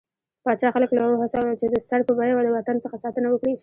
پاچا خلک له وهڅول، چې د سر په بيه د وطن څخه ساتنه وکړي.